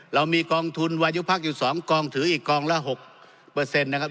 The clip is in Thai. เรามีกองทุนวัยยุภักดิ์อยู่สองกองถืออีกกองละหกเปอร์เซ็นต์นะครับ